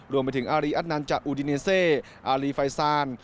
รวมไปถึงอารีอัตนันจากอูดิเนเซอารีไฟซาน